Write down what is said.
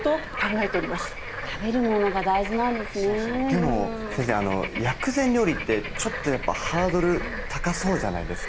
でも先生薬膳料理ってちょっとハードル高そうじゃないですか？